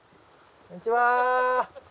こんにちは！